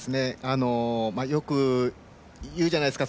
よく、言うじゃないですか。